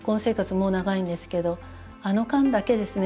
もう長いんですけどあの間だけですね